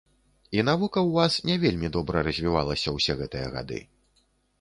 І навука ў вас не вельмі добра развівалася ўсе гэтыя гады.